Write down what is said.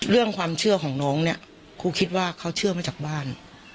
เรื่องความเชื่อของน้องเนี่ยครูคิดว่าเขาเชื่อมาจากบ้าน